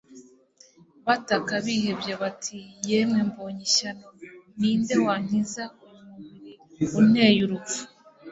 Bataka bihebye bati, “Yemwe, mbonye ishyano! Ni nde wankiza uyu mubiri untera urupfu?